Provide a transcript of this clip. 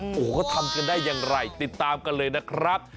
โอ้โหเขาทำกันได้อย่างไรติดตามกันเลยนะครับ